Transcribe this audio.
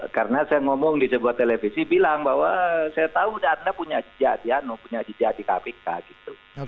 karena saya ngomong di sebuah televisi bilang bahwa saya tahu anda punya jejak di kpk gitu